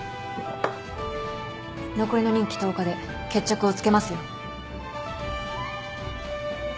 残りの任期１０日で決着をつけますよ。